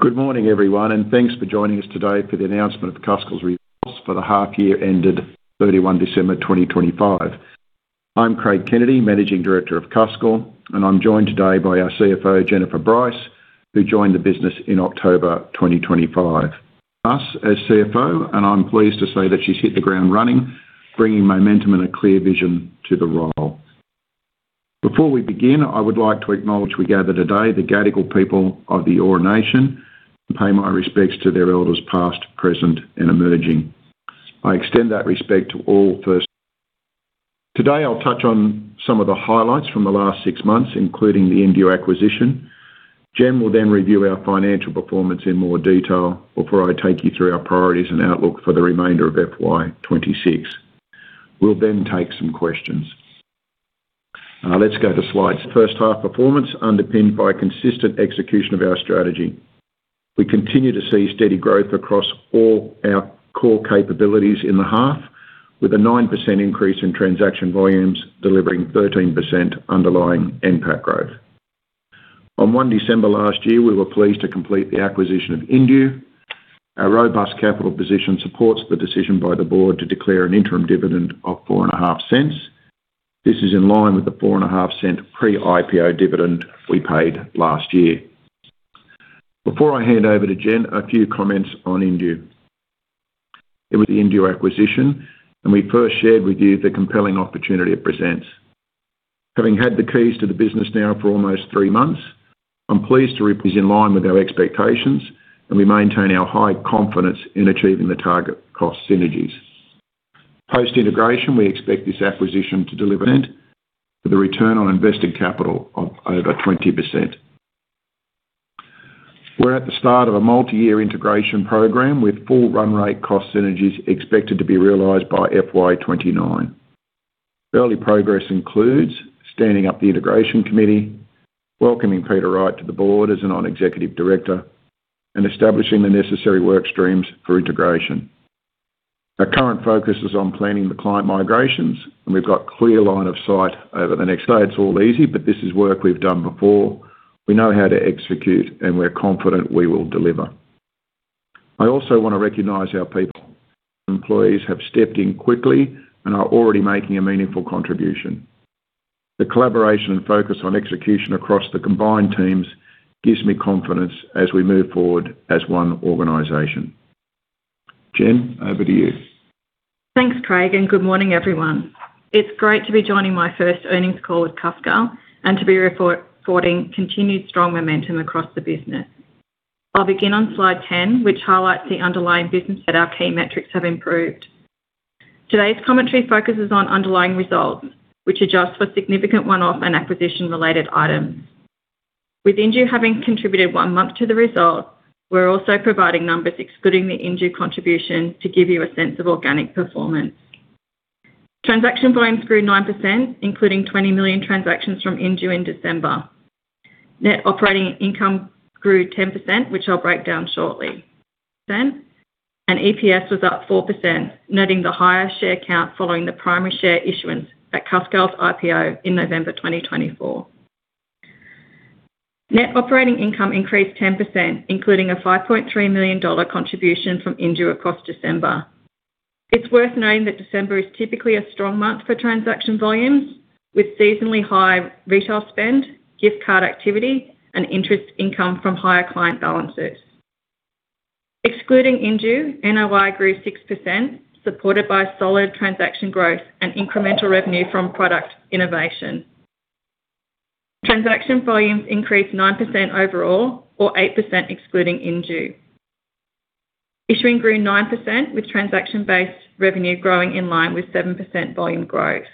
Good morning, everyone, and thanks for joining us today for the announcement of Cuscal's results for the half year ended December 31, 2025. I'm Craig Kennedy, Managing Director of Cuscal, and I'm joined today by our CFO, Jennifer Brice, who joined the business in October 2025. Us as CFO, and I'm pleased to say that she's hit the ground running, bringing momentum and a clear vision to the role. Before we begin, I would like to acknowledge we gather today the Gadigal people of the Eora Nation, and pay my respects to their elders, past, present, and emerging. I extend that respect to all first... Today, I'll touch on some of the highlights from the last six months, including the Indue acquisition. Jen will then review our financial performance in more detail, before I take you through our priorities and outlook for the remainder of FY 2026. We'll then take some questions. Let's go to slides. First half performance, underpinned by consistent execution of our strategy. We continue to see steady growth across all our core capabilities in the half, with a 9% increase in transaction volumes, delivering 13% underlying NPAT growth. On December 1 last year, we were pleased to complete the acquisition of Indue. Our robust capital position supports the decision by the board to declare an interim dividend of 0.045. This is in line with the 0.045 pre-IPO dividend we paid last year. Before I hand over to Jen, a few comments on Indue. It was the Indue acquisition, and we first shared with you the compelling opportunity it presents. Having had the keys to the business now for almost three months, I'm pleased to report is in line with our expectations, and we maintain our high confidence in achieving the target cost synergies. Post-integration, we expect this acquisition to deliver, with a return on invested capital of over 20%. We're at the start of a multi-year integration program, with full run rate cost synergies expected to be realized by FY 2029. Early progress includes standing up the integration committee, welcoming Peter Wright to the board as a non-executive director, and establishing the necessary work streams for integration. Our current focus is on planning the client migrations, and we've got clear line of sight over the next day. It's all easy, but this is work we've done before. We know how to execute, and we're confident we will deliver. I also want to recognize our people. Employees have stepped in quickly and are already making a meaningful contribution. The collaboration and focus on execution across the combined teams gives me confidence as we move forward as one organization. Jen, over to you. Thanks, Craig, good morning, everyone. It's great to be joining my first earnings call with Cuscal and to be reporting continued strong momentum across the business. I'll begin on slide 10, which highlights the underlying business that our key metrics have improved. Today's commentary focuses on underlying results, which adjust for significant one-off and acquisition-related items. With Indue having contributed one month to the results, we're also providing numbers excluding the Indue contribution to give you a sense of organic performance. Transaction volumes grew 9%, including 20 million transactions from Indue in December. Net operating income grew 10%, which I'll break down shortly. EPS was up 4%, noting the higher share count following the primary share issuance at Cuscal's IPO in November 2024. Net operating income increased 10%, including an 5.3 million dollar contribution from Indue across December. It's worth noting that December is typically a strong month for transaction volumes, with seasonally high retail spend, gift card activity, and interest income from higher client balances. Excluding Indue, NOI grew 6%, supported by solid transaction growth and incremental revenue from product innovation. Transaction volumes increased 9% overall, or 8% excluding Indue. Issuing grew 9%, with transaction-based revenue growing in line with 7% volume growth.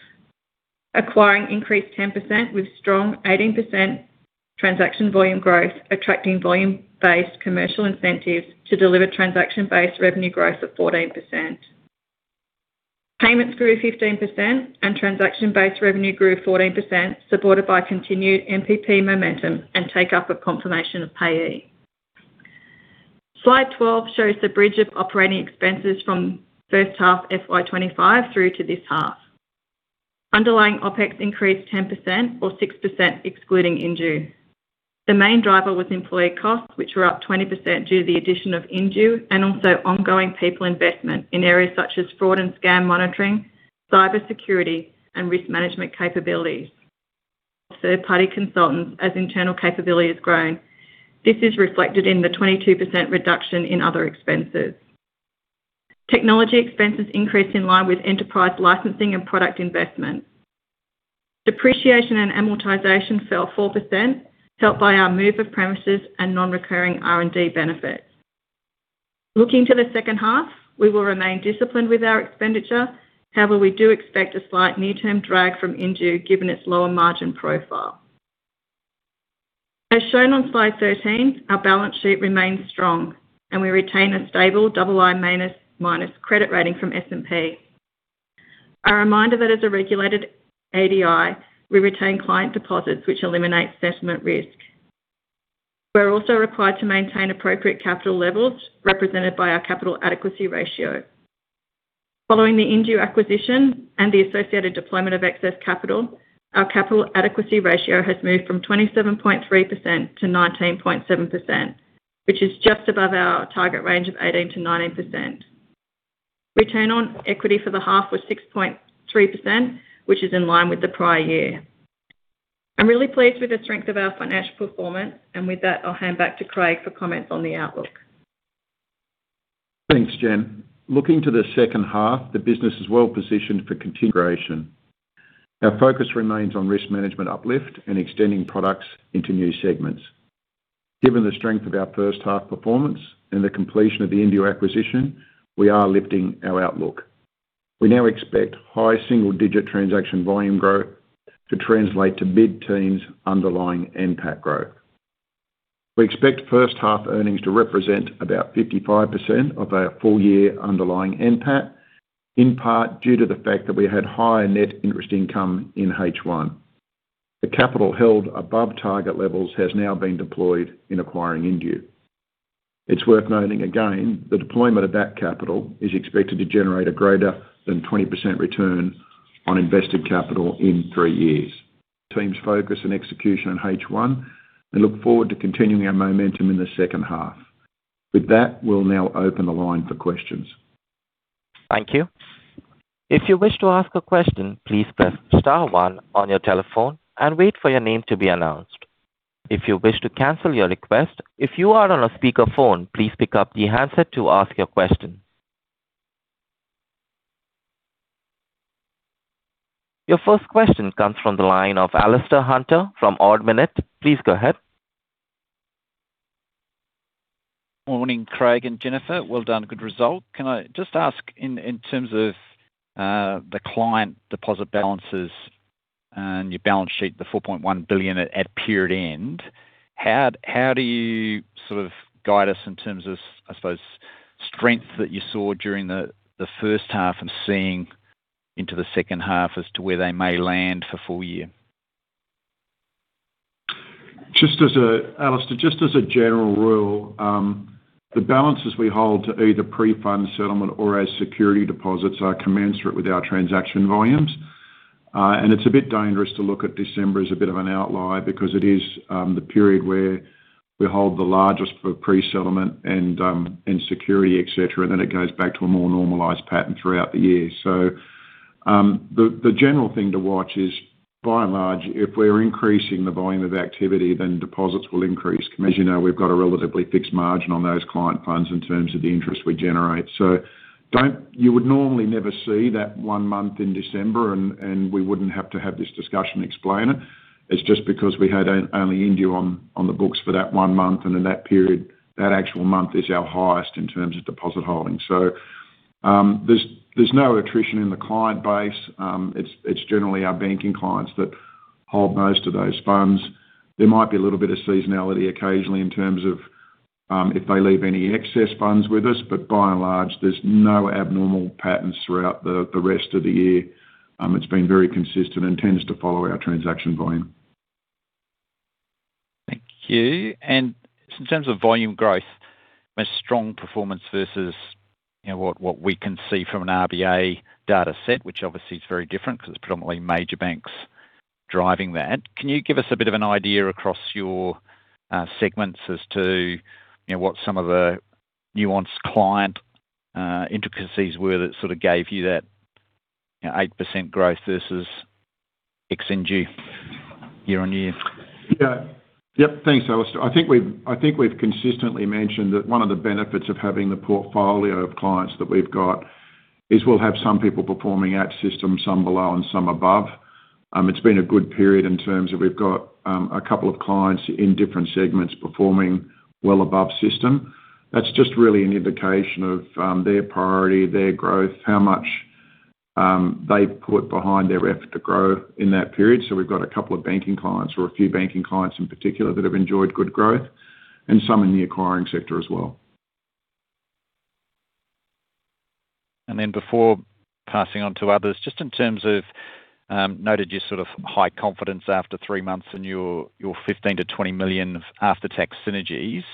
Acquiring increased 10%, with strong 18% transaction volume growth, attracting volume-based commercial incentives to deliver transaction-based revenue growth of 14%. Payments grew 15%, and transaction-based revenue grew 14%, supported by continued NPP momentum and take up a Confirmation of Payee. Slide 12 shows the bridge of operating expenses from first half FY 2025 through to this half. Underlying OpEx increased 10% or 6%, excluding Indue. The main driver was employee costs, which were up 20% due to the addition of Indue and also ongoing people investment in areas such as fraud and scam monitoring, cybersecurity, and risk management capabilities. Third-party consultants as internal capability has grown. This is reflected in the 22% reduction in other expenses. Technology expenses increased in line with enterprise licensing and product investment. Depreciation and amortization fell 4%, helped by our move of premises and non-recurring R&D benefits. Looking to the second half, we will remain disciplined with our expenditure. However, we do expect a slight near-term drag from Indue, given its lower margin profile. As shown on slide 13, our balance sheet remains strong, and we retain a stable AA- credit rating from S&P. A reminder that as a regulated ADI, we retain client deposits, which eliminate settlement risk. We're also required to maintain appropriate capital levels, represented by our capital adequacy ratio. Following the Indue acquisition and the associated deployment of excess capital, our capital adequacy ratio has moved from 27.3%-19.7%, which is just above our target range of 18%-19%. return on equity for the half was 6.3%, which is in line with the prior year. I'm really pleased with the strength of our financial performance, and with that, I'll hand back to Craig for comments on the outlook. Thanks, Jen. Looking to the second half, the business is well positioned for continuation. Our focus remains on risk management uplift and extending products into new segments. Given the strength of our first half performance and the completion of the Indue acquisition, we are lifting our outlook. We now expect high single-digit transaction volume growth to translate to mid-teens underlying NPAT growth. We expect first half earnings to represent about 55% of our full-year underlying NPAT, in part due to the fact that we had higher net interest income in H1. The capital held above target levels has now been deployed in acquiring Indue. It's worth noting again, the deployment of that capital is expected to generate a greater than 20% return on invested capital in three years. Team's focus and execution in H1, we look forward to continuing our momentum in the second half. With that, we'll now open the line for questions. Thank you. If you wish to ask a question, please press star one on your telephone and wait for your name to be announced. If you wish to cancel your request, if you are on a speakerphone, please pick up the handset to ask your question. Your first question comes from the line of Alastair Hunter from Ord Minnett. Please go ahead. Morning, Craig and Jennifer. Well done. Good result. Can I just ask in, in terms of the client deposit balances and your balance sheet, the 4.1 billion at period end, how, how do you sort of guide us in terms of, I suppose, strength that you saw during the first half and seeing into the second half as to where they may land for full year? Just as a Alastair, just as a general rule, the balances we hold to either pre-fund settlement or as security deposits are commensurate with our transaction volumes. It's a bit dangerous to look at December as a bit of an outlier, because it is, the period where we hold the largest for pre-settlement and security, et cetera, and then it goes back to a more normalized pattern throughout the year. The, the general thing to watch is, by and large, if we're increasing the volume of activity, then deposits will increase. As you know, we've got a relatively fixed margin on those client funds in terms of the interest we generate. You would normally never see that one month in December, and we wouldn't have to have this discussion to explain it. It's just because we had only Indue on, on the books for that one month, and in that period, that actual month is our highest in terms of deposit holdings. There's, there's no attrition in the client base. It's, it's generally our banking clients that hold most of those funds. There might be a little bit of seasonality occasionally in terms of, if they leave any excess funds with us, by and large, there's no abnormal patterns throughout the rest of the year. It's been very consistent and tends to follow our transaction volume. Thank you. Just in terms of volume growth, a strong performance versus, you know, what, what we can see from an RBA data set, which obviously is very different because it's predominantly major banks driving that. Can you give us a bit of an idea across your segments as to, you know, what some of the nuanced client intricacies were that sort of gave you that, you know, 8% growth versus X and you, year on year? Yeah. Yep. Thanks, Alastair. I think we've, I think we've consistently mentioned that one of the benefits of having the portfolio of clients that we've got is we'll have some people performing at system, some below and some above. It's been a good period in terms of we've got a couple of clients in different segments performing well above system. That's just really an indication of their priority, their growth, how much they put behind their effort to grow in that period. We've got a couple of banking clients or a few banking clients in particular, that have enjoyed good growth, and some in the acquiring sector as well. Before passing on to others, just in terms of, noted your sort of high confidence after three months and your, your 15 million-20 million of after-tax synergies,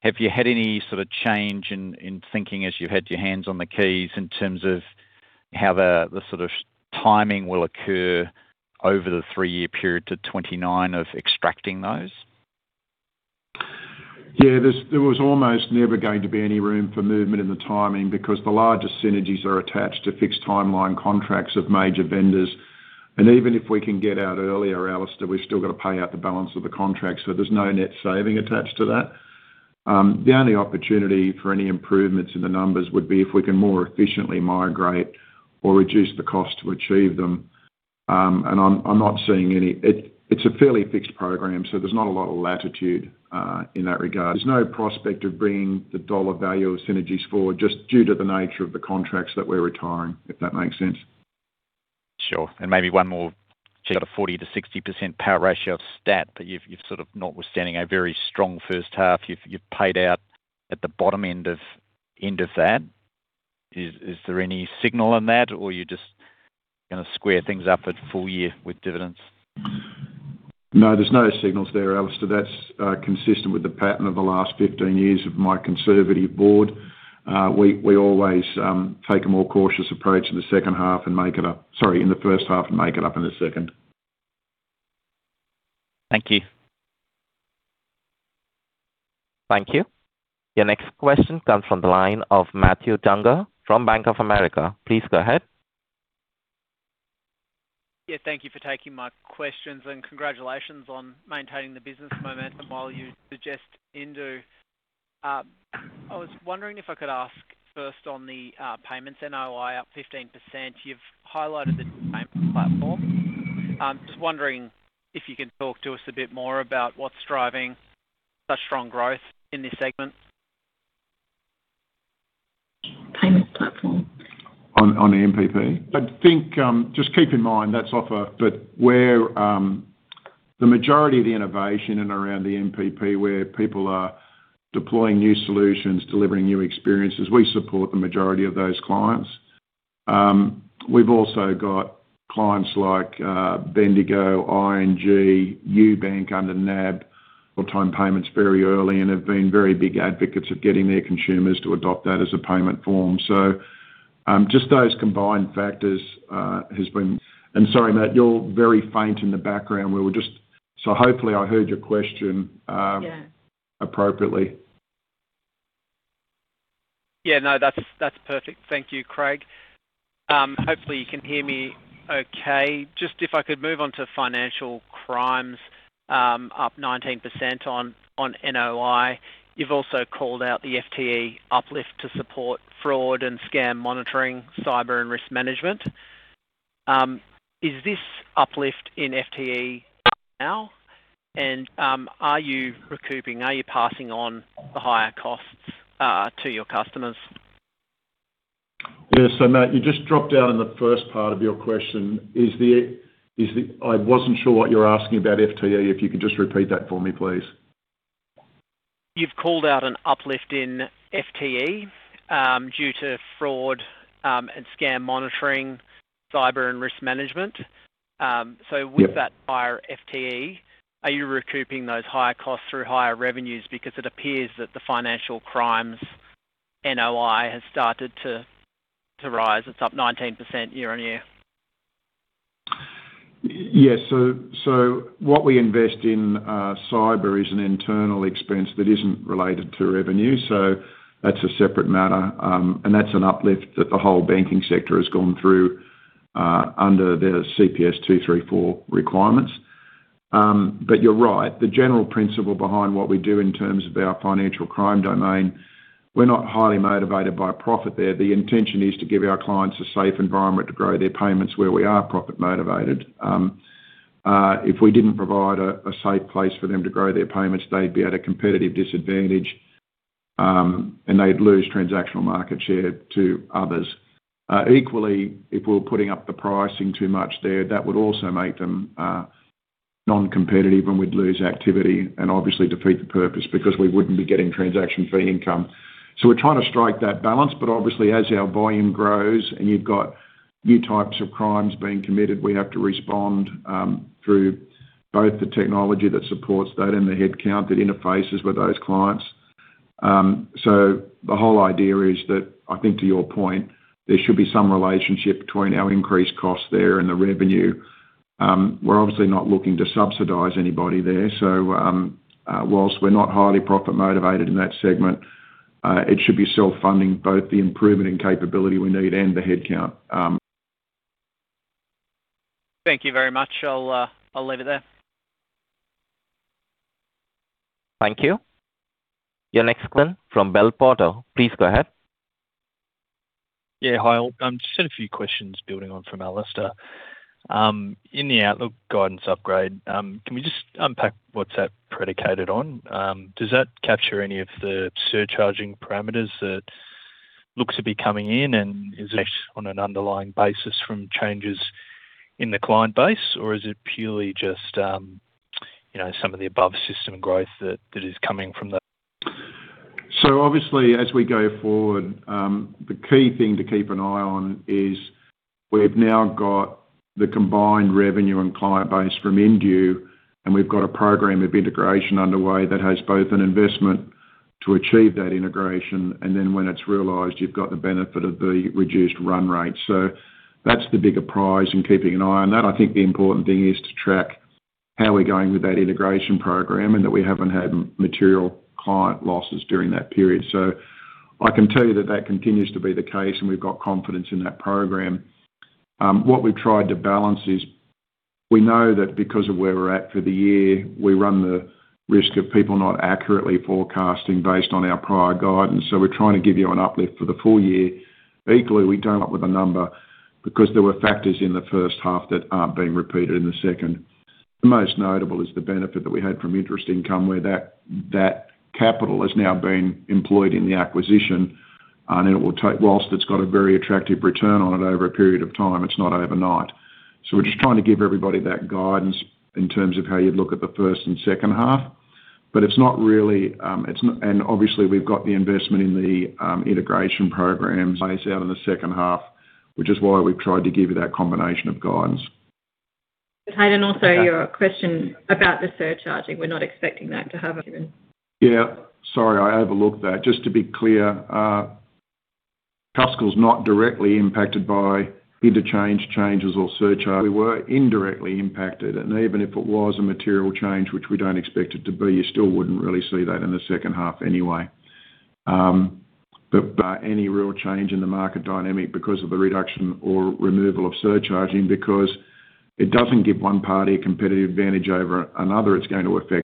have you had any sort of change in, in thinking as you've had your hands on the keys in terms of how the, the sort of timing will occur over the three-year period to FY 2029 of extracting those? Yeah, there's, there was almost never going to be any room for movement in the timing, because the larger synergies are attached to fixed timeline contracts of major vendors. Even if we can get out earlier, Alastair, we've still got to pay out the balance of the contract, so there's no net saving attached to that. The only opportunity for any improvements in the numbers would be if we can more efficiently migrate or reduce the cost to achieve them. I'm, I'm not seeing any... It's a fairly fixed program, so there's not a lot of latitude in that regard. There's no prospect of bringing the dollar value of synergies forward just due to the nature of the contracts that we're retiring, if that makes sense. Sure. Maybe one more. You got a 40%-60% payout ratio stat, you've sort of notwithstanding a very strong first half, you've paid out at the bottom end of that. Is there any signal on that, or you're just gonna square things up at full year with dividends? No, there's no signals there, Alastair. That's consistent with the pattern of the last 15 years of my conservative board. We, we always take a more cautious approach in the second half and make it up. Sorry, in the first half, and make it up in the second. Thank you. Thank you. Your next question comes from the line of Matthew Dangar from Bank of America. Please go ahead. Yeah, thank you for taking my questions. Congratulations on maintaining the business momentum while you suggest Indue. I was wondering if I could ask first on the payments NOI up 15%. You've highlighted the payment platform. Just wondering if you can talk to us a bit more about what's driving such strong growth in this segment? Payment platform. On, on the NPP? I think, just keep in mind, that's offer, but where, the majority of the innovation and around the NPP, where people are deploying new solutions, delivering new experiences, we support the majority of those clients. We've also got clients like Bendigo, ING, UBank under NAB, or Time Payments very early and have been very big advocates of getting their consumers to adopt that as a payment form. Just those combined factors has been. I'm sorry, Matt, you're very faint in the background. We were hopefully, I heard your question appropriately. Yeah. No, that's, that's perfect. Thank you, Craig. Hopefully, you can hear me okay. Just if I could move on to financial crimes, up 19% on NOI. You've also called out the FTE uplift to support fraud and scam monitoring, cyber and risk management. Is this uplift in FTE now? Are you recouping, are you passing on the higher costs to your customers? Yes. Matt, you just dropped out in the first part of your question. Is the... I wasn't sure what you're asking about FTE. If you could just repeat that for me, please. You've called out an uplift in FTE due to fraud, and scam monitoring, cyber and risk management. Yeah... with that higher FTE, are you recouping those higher costs through higher revenues? It appears that the financial crimes, NOI, has started to, to rise. It's up 19% year-on-year. Yes. So what we invest in, cyber is an internal expense that isn't related to revenue, so that's a separate matter. That's an uplift that the whole banking sector has gone through, under their Prudential Standard CPS 234 requirements. You're right. The general principle behind what we do in terms of our financial crime domain, we're not highly motivated by profit there. The intention is to give our clients a safe environment to grow their payments where we are profit-motivated. If we didn't provide a, a safe place for them to grow their payments, they'd be at a competitive disadvantage, and they'd lose transactional market share to others. Equally, if we're putting up the pricing too much there, that would also make them non-competitive, and we'd lose activity and obviously defeat the purpose because we wouldn't be getting transaction fee income. We're trying to strike that balance, but obviously, as our volume grows and you've got new types of crimes being committed, we have to respond through both the technology that supports that and the headcount that interfaces with those clients. The whole idea is that, I think to your point, there should be some relationship between our increased costs there and the revenue. We're obviously not looking to subsidize anybody there. Whilst we're not highly profit-motivated in that segment, it should be self-funding, both the improvement in capability we need and the headcount. Thank you very much. I'll, I'll leave it there. Thank you. Your next one from Bell Potter. Please go ahead. Yeah, hi. Just had a few questions building on from Alistair. In the outlook guidance upgrade, can we just unpack what's that predicated on? Does that capture any of the surcharging parameters that looks to be coming in, and is it on an underlying basis from changes in the client base, or is it purely just, you know, some of the above system growth that, that is coming from the- obviously, as we go forward, the key thing to keep an eye on is we've now got the combined revenue and client base from Indue, and we've got a program of integration underway that has both an investment to achieve that integration, and then when it's realized, you've got the benefit of the reduced run rate. That's the bigger prize in keeping an eye on that. I think the important thing is to track how we're going with that integration program, and that we haven't had material client losses during that period. I can tell you that that continues to be the case, and we've got confidence in that program. What we've tried to balance is, we know that because of where we're at for the year, we run the risk of people not accurately forecasting based on our prior guidance, so we're trying to give you an uplift for the full year. Equally, we've come up with a number because there were factors in the first half that aren't being repeated in the second. The most notable is the benefit that we had from interest income, where that, that capital is now being employed in the acquisition, and it will take, whilst it's got a very attractive return on it over a period of time, it's not overnight. We're just trying to give everybody that guidance in terms of how you'd look at the first and second half. It's not really. Obviously, we've got the investment in the integration program based out in the second half, which is why we've tried to give you that combination of guidance. Hayden, also your question about the surcharging, we're not expecting that to happen. Yeah, sorry, I overlooked that. Just to be clear, Cuscal's not directly impacted by interchange changes or surcharging. We were indirectly impacted, and even if it was a material change, which we don't expect it to be, you still wouldn't really see that in the second half anyway. By any real change in the market dynamic because of the reduction or removal of surcharging, because it doesn't give one party a competitive advantage over another, it's going to affect.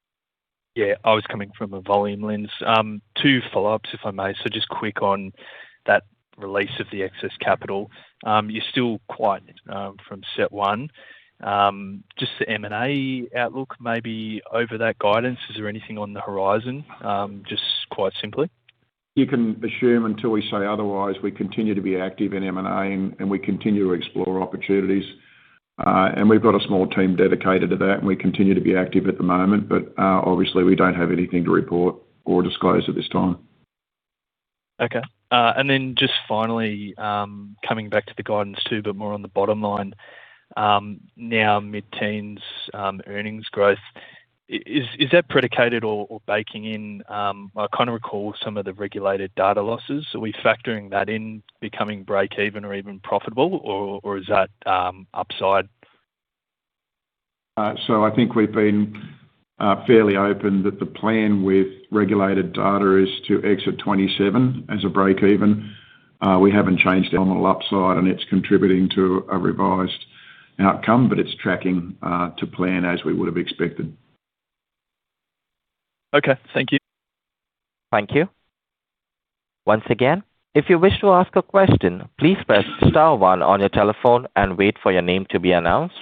Yeah, I was coming from a volume lens. Two follow-ups, if I may. Just quick on that release of the excess capital. You're still quite from CET1. Just the M&A outlook, maybe over that guidance, is there anything on the horizon? Just quite simply. You can assume until we say otherwise, we continue to be active in M&A, and we continue to explore opportunities. We've got a small team dedicated to that, and we continue to be active at the moment, but obviously, we don't have anything to report or disclose at this time. Okay. Then just finally, coming back to the guidance, too, but more on the bottom line. Now mid-teens, earnings growth. Is, is that predicated or, or baking in... I kind of recall some of the regulated data losses. Are we factoring that in becoming break even or even profitable, or, or is that, upside? I think we've been fairly open that the plan with regulated data is to exit 27 as a break even. We haven't changed the animal upside, and it's contributing to a revised outcome, but it's tracking to plan as we would have expected. Okay. Thank you. Thank you. Once again, if you wish to ask a question, please press star one on your telephone and wait for your name to be announced.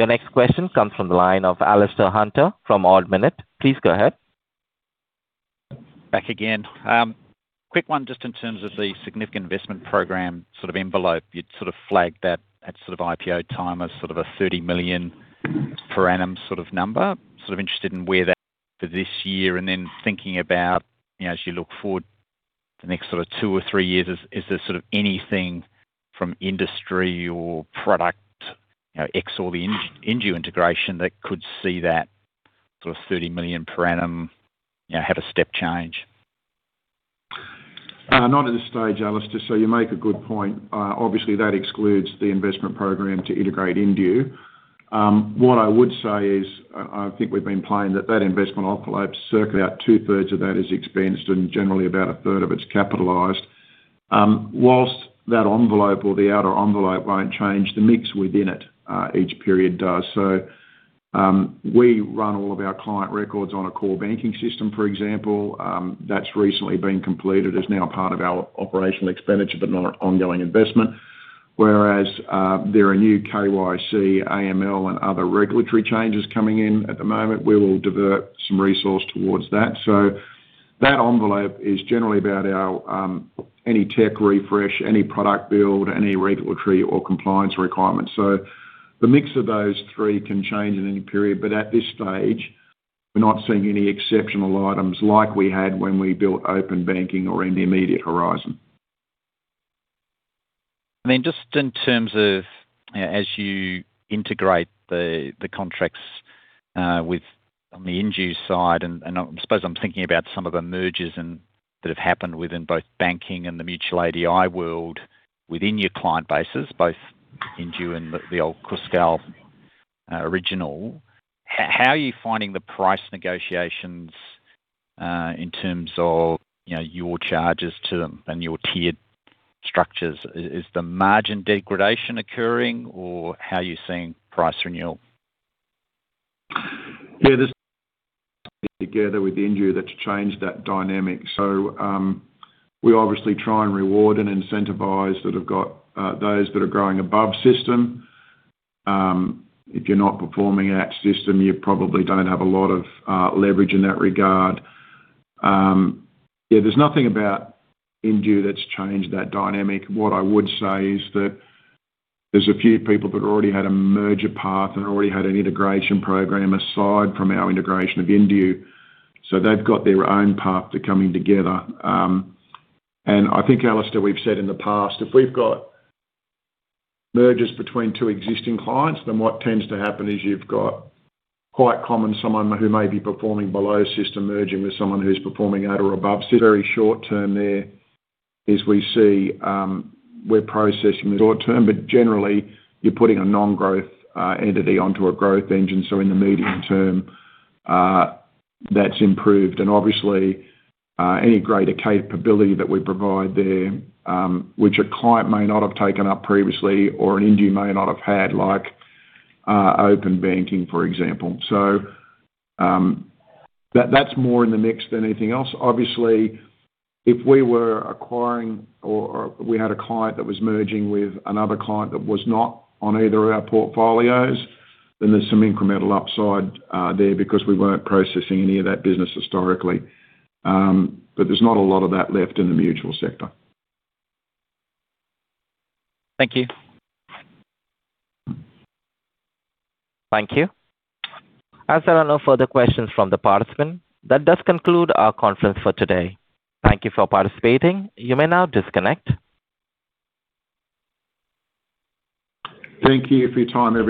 Your next question comes from the line of Alastair Hunter from Ord Minnett. Please go ahead. Back again. Quick one, just in terms of the significant investment program, sort of envelope, you'd sort of flagged that at sort of IPO time as sort of a 30 million per annum sort of number. Sort of interested in where that for this year, and then thinking about, you know, as you look forward, the next sort of two or three years, is, is there sort of anything from industry or product, you know, X or the Indue integration that could see that sort of 30 million per annum, you know, have a step change? Not at this stage, Alastair. You make a good point. Obviously, that excludes the investment program to integrate Indue. What I would say is, I, I think we've been playing that, that investment envelope, certainly about two-thirds of that is expensed, and generally, about a third of it's capitalized. Whilst that envelope or the outer envelope won't change, the mix within it, each period does. We run all of our client records on a core banking system, for example, that's recently been completed, is now part of our operational expenditure, but not ongoing investment. Whereas, there are new KYC, AML, and other regulatory changes coming in at the moment, we will divert some resource towards that. That envelope is generally about our, any tech refresh, any product build, any regulatory or compliance requirements. The mix of those three can change in any period, but at this stage, we're not seeing any exceptional items like we had when we built open banking or in the immediate horizon. Then just in terms of, as you integrate the contracts with on the Indue side, and I suppose I'm thinking about some of the mergers that have happened within both banking and the mutual ADI world within your client bases, both Indue and the old Cuscal original. How are you finding the price negotiations, in terms of, you know, your charges to them and your tiered structures? Is, is the margin degradation occurring, or how are you seeing price renewal? Yeah, this together with Indue, that's changed that dynamic. We obviously try and reward and incentivize that have got, those that are growing above system. If you're not performing at system, you probably don't have a lot of leverage in that regard. Yeah, there's nothing about Indue that's changed that dynamic. What I would say is that there's a few people that already had a merger path and already had an integration program aside from our integration of Indue, so they've got their own path to coming together. I think, Alastair, we've said in the past, if we've got mergers between two existing clients, then what tends to happen is you've got quite common, someone who may be performing below system, merging with someone who's performing at or above system. Very short term there, is we see, we're processing the short term, but generally, you're putting a non-growth entity onto a growth engine. In the medium term, that's improved. Obviously, any greater capability that we provide there, which a client may not have taken up previously or an Indue may not have had, like, open banking, for example. That-that's more in the mix than anything else. Obviously, if we were acquiring or, or we had a client that was merging with another client that was not on either of our portfolios, then there's some incremental upside there because we weren't processing any of that business historically. There's not a lot of that left in the mutual sector. Thank you. Thank you. As there are no further questions from the participant, that does conclude our conference for today. Thank you for participating. You may now disconnect. Thank you for your time, everyone.